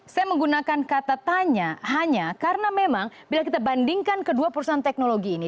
saya menggunakan kata tanya hanya karena memang bila kita bandingkan kedua perusahaan teknologi ini